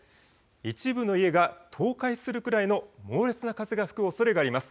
一部の家が倒壊するぐらいの猛烈な風が吹くおそれがあります。